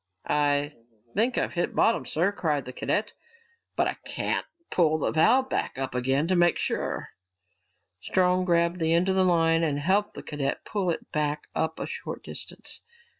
"I think I've hit bottom, sir," cried the cadet. "But I can't pull the valve back up again to make sure." Strong grabbed the end of the line and helped the cadet pull it back up a short distance.